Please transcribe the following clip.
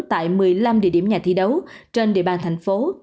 tại một mươi năm địa điểm nhà thi đấu trên địa bàn thành phố